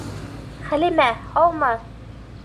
Хәлимә, һаумы!